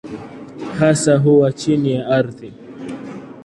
Hasa huwa chini ya ardhi.